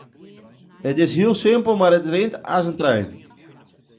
It is hiel simpel mar it rint as in trein.